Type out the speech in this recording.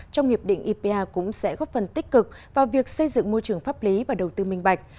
trong hiệp định ipa cũng sẽ góp phần tích cực vào việc xây dựng môi trường pháp lý và đầu tư minh bạch